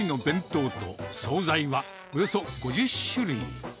手作りの弁当と総菜は、およそ５０種類。